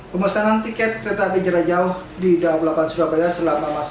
pemesanan tiket kereta api jerajau di daob delapan surabaya selama masa kemarin